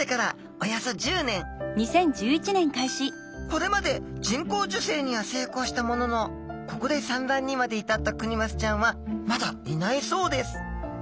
これまで人工授精には成功したもののここで産卵にまで至ったクニマスちゃんはまだいないそうです。